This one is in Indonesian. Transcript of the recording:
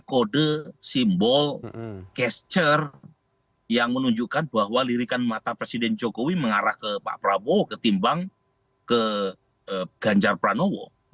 kode simbol casture yang menunjukkan bahwa lirikan mata presiden jokowi mengarah ke pak prabowo ketimbang ke ganjar pranowo